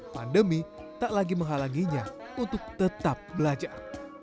pandemi tak lagi menghalanginya untuk tetap belajar